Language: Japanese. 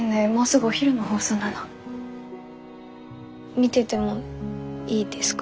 見ててもいいですか？